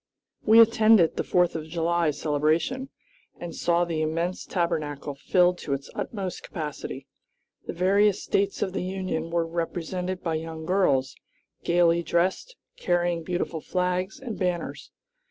We attended the Fourth of July celebration, and saw the immense Tabernacle filled to its utmost capacity. The various States of the Union were represented by young girls, gayly dressed, carrying beautiful flags and banners.